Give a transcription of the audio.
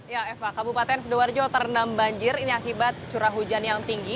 ya eva kabupaten sidoarjo terendam banjir ini akibat curah hujan yang tinggi